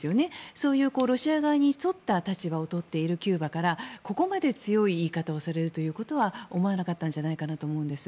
そういうロシア側に沿った立場を取っているキューバからここまで強い言い方をされるということは思わなかったんじゃないかなと思うんです。